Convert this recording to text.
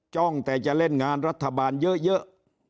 จ้องแต่จะเล่นงานรัฐบาลเยอะ